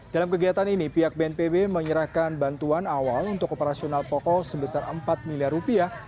dalam kegiatan ini pihak bnpb menyerahkan bantuan awal untuk operasional pokok sebesar empat miliar rupiah